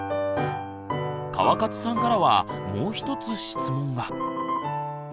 川勝さんからはもう一つ質問が。